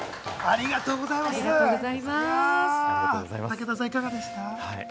武田さん、いかがでした？